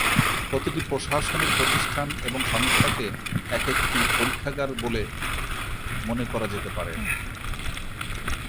প্রতিটি প্রশাসনিক প্রতিষ্ঠান এবং সংস্থাকে এক একটি পরীক্ষাগার গলে বলে মনে করা যেতে পারে।